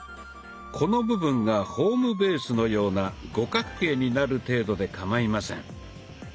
この部分がホームベースのような五角形になる程度でかまいません。